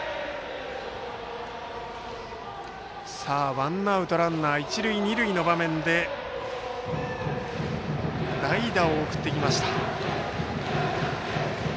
ワンアウトランナー、一塁二塁の場面で代打を送ってきました。